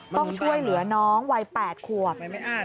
ต้องช่วยเหลือน้องวัย๘ขวบ